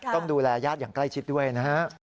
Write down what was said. ต้องดูแลญาติอย่างใกล้ชิดด้วยนะฮะ